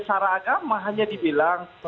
secara agama hanya dibilang